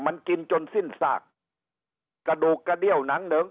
มันกินจนสิ้นซากกระดูกกระเดี้ยวหนังเหนิง